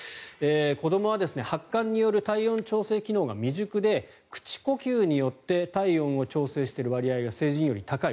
子どもは発汗による体温調整機能が未熟で口呼吸によって体温を調整している割合が成人より高い。